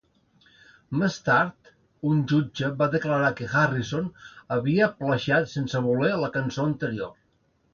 Més tard, un jutge va declarar que Harrison havia plagiat sense voler la cançó anterior.